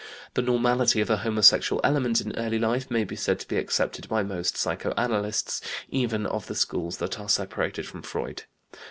The normality of a homosexual element in early life may be said to be accepted by most psychoanalysts, even of the schools that are separated from Freud.